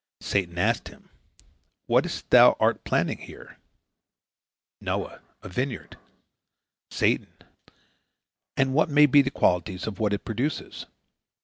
Satan asked him: "What is it thou art planting here?" Noah: "A vineyard." Satan: "And what may be the qualities of what it produces?"